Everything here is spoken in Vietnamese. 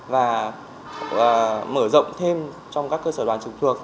và mở rộng thêm trong các cơ sở đoàn trực thuộc